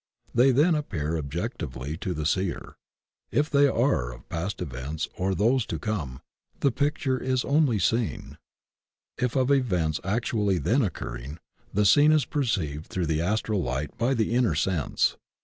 They then appear ob jectively to the seer. If they are of past events or those to come, the picture only is seen; if of events actually then occurring, the scene is perceived through the Astral Light by ±e inner sense.